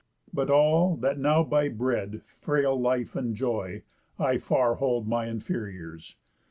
But all, that now by bread frail life enjoy, I far hold my inferiors.